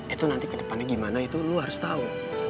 itu nanti ke depannya gimana itu lo harus tahu